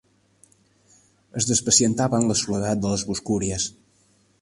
Es despacientava en la soledat de les boscúries.